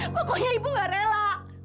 pokoknya ibu nggak rela